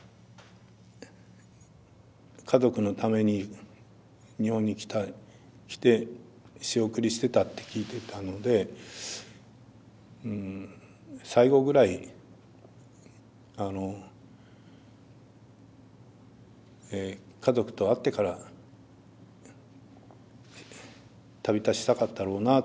家族のために日本に来て仕送りしてたって聞いてたので最期ぐらい家族と会ってから旅立ちたかったろうなと。